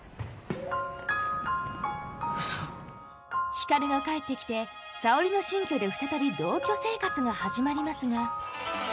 光が帰ってきて沙織の新居で再び同居生活が始まりますが。